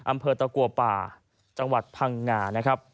อำเภอตะกัวป่าจังหวัดพังงานะครับ